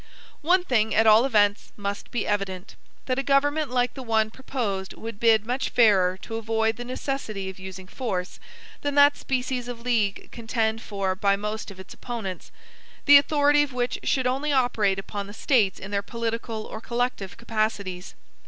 One thing, at all events, must be evident, that a government like the one proposed would bid much fairer to avoid the necessity of using force, than that species of league contend for by most of its opponents; the authority of which should only operate upon the States in their political or collective capacities.